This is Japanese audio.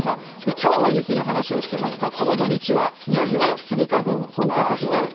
きょうは雪の話をしてますが、この土日はいよいよスギ花粉、本格飛散。